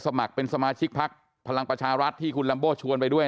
สมัครเป็นสมาชิกพักพลังประชารัฐที่คุณลัมโบ้ชวนไปด้วย